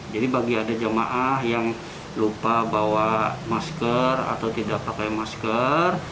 jadi bagi ada jemaah yang lupa bawa masker atau tidak pakai masker